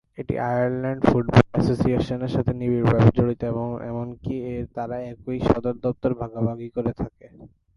এটি Ireland football অ্যাসোসিয়েশনের সাথে নিবিড়ভাবে জড়িত এবং এমনকি তারা একই সদর দপ্তর ভাগাভাগি করে থাকে।